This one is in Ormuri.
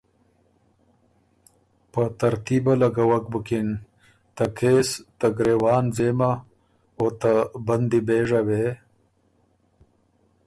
په ترتیبه لګوک بُکِن، ته کېس ته ګرېوان ځېمه او ته بندي بېژه وې